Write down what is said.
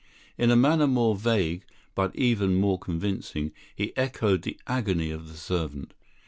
In a manner more vague, but even more convincing, he echoed the agony of the servant.